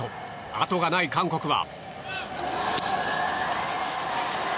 あとがない韓国は。